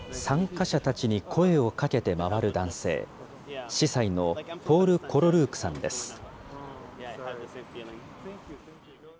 参加者たちに声をかけて回る男性、司祭のポール・コロルークさんです。